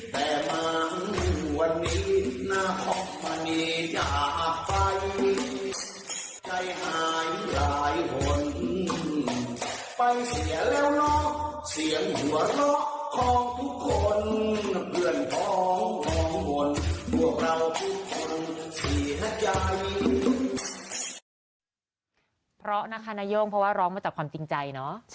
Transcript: เพราะร้องของทุกคนเพื่อนพร้อมรองมนต์บวกเราทุกคนที่รักใจ